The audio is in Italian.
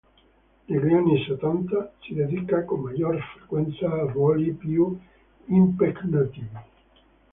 Negli anni settanta si dedica con maggior frequenza a ruoli più impegnativi.